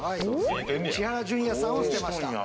千原ジュニアさんを捨てました。